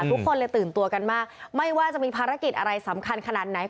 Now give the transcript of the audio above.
ทุกคนเลยตื่นตัวกันมากไม่ว่าจะมีภารกิจอะไรสำคัญขนาดไหน